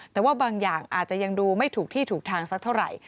แต่ว่าบางอย่างอาจจะยังดูไม่ถูกที่ถูกทางสักเท่าไหร่